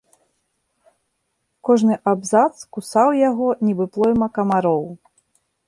Кожны абзац кусаў яго, нібы плойма камароў.